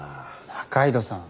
仲井戸さん。